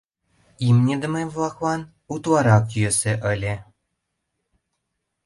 Имньыдыме-влаклан утларак йӧсӧ ыле.